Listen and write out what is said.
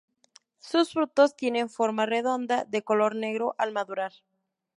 Sus frutos tienen forma redonda, de color negro al madurar.